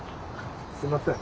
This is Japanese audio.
すみません。